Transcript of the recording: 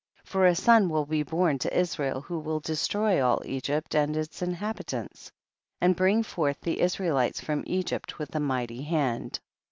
19. For a son will be born to Is rael wlio will destroy all Egypt and its inhabitants, and bring forth the Israelites from Egypt with a mighty hand.